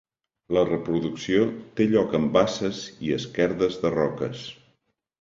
La reproducció té lloc en basses i esquerdes de roques.